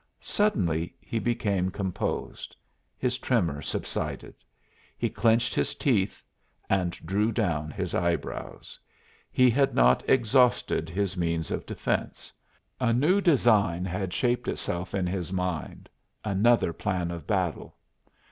Suddenly he became composed. His tremor subsided. He clenched his teeth and drew down his eyebrows. He had not exhausted his means of defense; a new design had shaped itself in his mind another plan of battle.